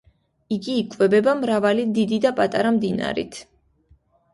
იგი იკვებება მრავალი დიდი და პატარა მდინარით.